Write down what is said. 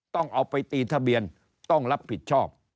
ต้องเอาไปตีทะเบียนต้องรับผิดชอบ